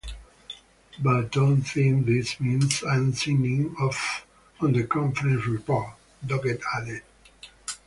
But don't think this means I'm signing off on the conference report, Doggett added.